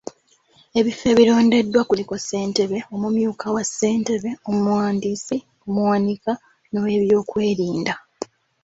Ebifo ebirondeddwa kuliko; Ssentebe, Omumyuka wa ssentebe, Omuwandiisi, Omuwanika, n'Oweebyokwerinda.